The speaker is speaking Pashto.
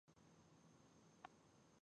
هغه واکداران سیاسي قدرت انحصاروي.